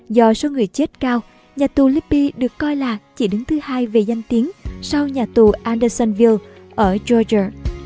do số người chết cao nhà tù lippie được coi là chỉ đứng thứ hai về danh tiếng sau nhà tù andersonville ở georgia